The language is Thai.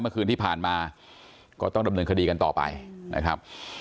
เมื่อคืนที่ผ่านมาก็ต้องดำเนินคดีกันต่อไปนะครับ